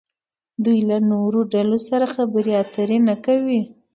دوی له نورو ډلو سره خبرې اترې نه کوي.